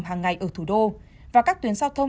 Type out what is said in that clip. hàng ngày ở thủ đô và các tuyến giao thông